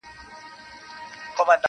په نصیب یې وي مېلې د جنتونو -